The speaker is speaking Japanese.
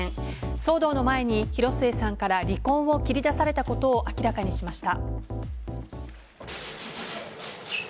騒動の前に広末さんから離婚を切り出されたことを明らかにしました。